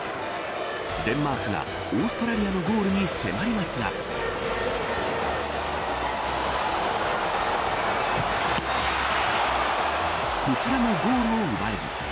デンマークがオーストラリアのゴールに迫りますがこちらもゴールを奪えず。